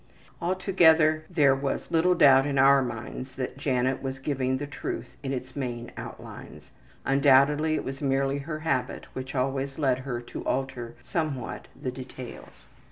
Altogether there was little doubt in our minds that Janet was giving the truth in its main outlines. Undoubtedly it was merely her habit which always led her to alter somewhat the details.